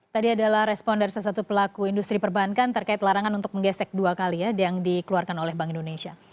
tadi adalah respon dari salah satu pelaku industri perbankan terkait larangan untuk menggesek dua kali ya yang dikeluarkan oleh bank indonesia